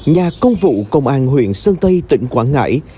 nhà công vụ công an huyện miền núi sơn tây tỉnh quảng ngãi